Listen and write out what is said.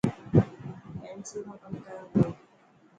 پينسل مان ڪم ڪران پئي.